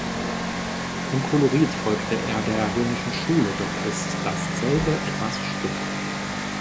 Im Kolorit folgte er der römischen Schule, doch ist dasselbe etwas stumpf.